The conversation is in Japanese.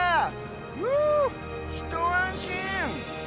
ふぅひとあんしん！